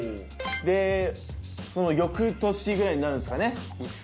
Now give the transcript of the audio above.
でその翌年くらいになるんですかね。